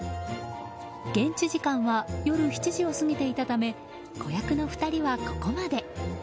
現地時間は夜７時を過ぎていたため子役の２人はここまで。